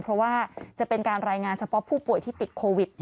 เพราะว่าจะเป็นการรายงานเฉพาะผู้ป่วยที่ติดโควิด